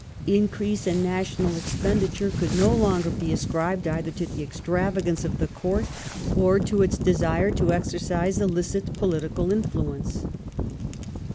Increase in national ex penditure could no longer be ascribed either to the extravagance jr of the Court or to its desire to exercise illicit political influence.